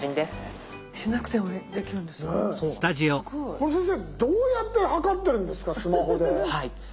これ先生どうやって測ってるんですか？